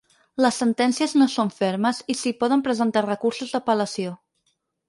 Les sentències no són fermes i s’hi poden presentar recursos d’apel·lació.